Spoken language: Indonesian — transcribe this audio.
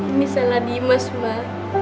ini salah dimas mak